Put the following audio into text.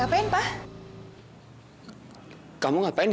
siapa yang mau menangkap papa jimi